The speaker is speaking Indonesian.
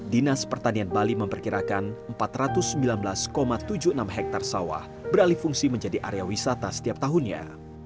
dinas pertanian bali memperkirakan empat ratus sembilan belas tujuh puluh enam hektare sawah beralih fungsi menjadi area wisata setiap tahunnya